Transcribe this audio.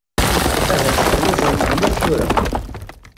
Ahat telluẓemt mliḥ tura.